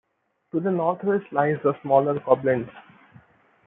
To the northwest lies the smaller Coblentz.